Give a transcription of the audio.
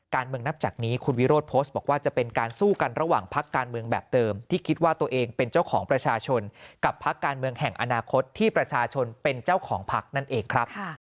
นับจากนี้คุณวิโรธโพสต์บอกว่าจะเป็นการสู้กันระหว่างพักการเมืองแบบเดิมที่คิดว่าตัวเองเป็นเจ้าของประชาชนกับพักการเมืองแห่งอนาคตที่ประชาชนเป็นเจ้าของพักนั่นเองครับ